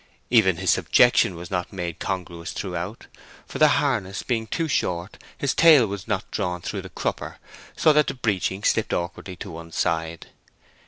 Even his subjection was not made congruous throughout, for the harness being too short, his tail was not drawn through the crupper, so that the breeching slipped awkwardly to one side.